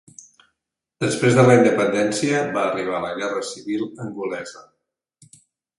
Després de la independència va arribar la Guerra Civil angolesa.